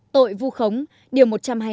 tội vu khống điều một trăm hai mươi hai